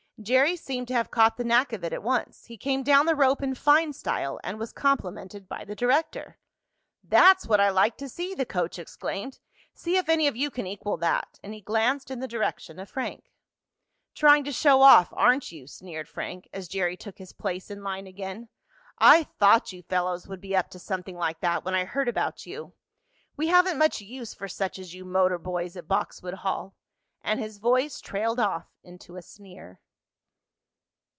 Jerry seemed to have caught the knack of it at once. He came down the rope in fine style, and was complimented by the director. "That's what I like to see!" the coach exclaimed. "See if any of you can equal that," and he glanced in the direction of Frank. "Trying to show off; aren't you?" sneered Frank, as Jerry took his place in line again. "I thought you fellows would be up to something like that when I heard about you. We haven't much use for such as you motor boys at Boxwood Hall," and his voice trailed off into a sneer.